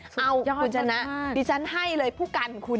สุดยอดพอมากดิฉันให้เลยผู้กันคุณ